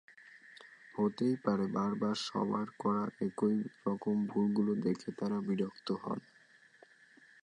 হতেই পারে বারবার সবার করা একই রকম ভুলগুলো দেখে তাঁরা বিরক্ত হন।